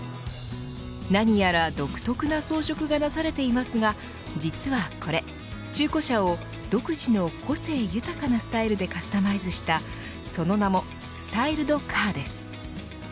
何やら独特な装飾がなされていますが実はこれ、中古車を独自の個性豊かなスタイルでカスタマイズしたその名もスタイルドカーです。